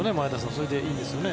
それでいいんですよね。